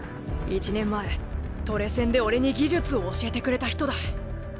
１年前トレセンで俺に技術を教えてくれた人だ。